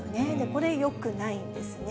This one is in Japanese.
これ、よくないんですね。